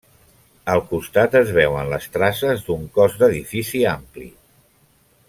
Al costat, es veuen les traces d'un cos d'edifici ampli.